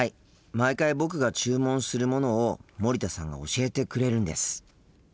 毎回僕が注文するものを森田さんが教えてくれるんです。